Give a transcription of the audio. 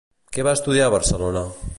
Què va estudiar a Barcelona?